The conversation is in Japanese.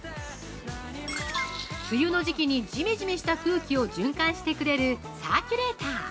◆梅雨の時期にジメジメした空気を循環してくれるサーキュレーター。